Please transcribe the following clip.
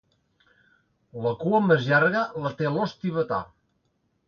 La cua més llarga la té l'ós tibetà.